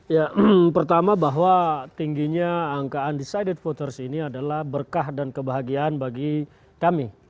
ya pertama bahwa tingginya angka undecided voters ini adalah berkah dan kebahagiaan bagi kami